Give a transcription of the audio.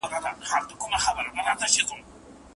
که ماشومان رښتیا ولیکي نو اخلاق یې ښه کېږي.